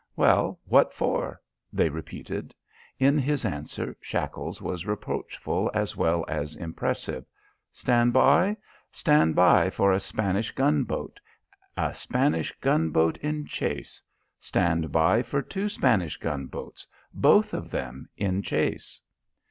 "Well, what for?" they repeated. In his answer Shackles was reproachful as well as impressive. "Stand by? Stand by for a Spanish gunboat. A Spanish gunboat in chase! Stand by for two Spanish gunboats both of them in chase!"